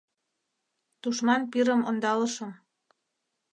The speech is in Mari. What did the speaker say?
Тушман пирым ондалышым!